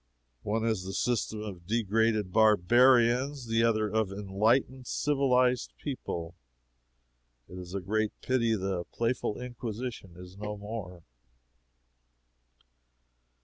One is the system of degraded barbarians, the other of enlightened, civilized people. It is a great pity the playful Inquisition is no more.